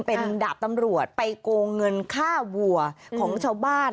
เป็นดาบตำรวจไปโกงเงินฆ่าวัวของชาวบ้าน